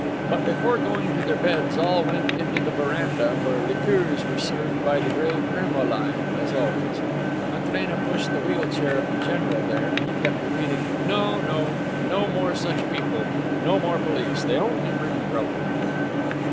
But before going to their beds all went into the veranda, where liqueurs were served by the brave Ermolai, as always. Matrena pushed the wheel chair of the general there, and he kept repeating, "No, no. No more such people. No more police. They only bring trouble."